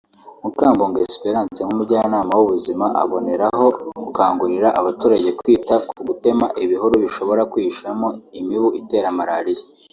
Mukambungo Esperance nk'umujyanama w'ubuzima aboneraho gukangurira abaturage kwita ku gutema ibihuru bishobora kwihishamo imibu itera Maralia